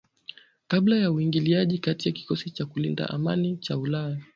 Kabla ya uingiliaji kati wa kikosi cha kulinda amani cha ulaya.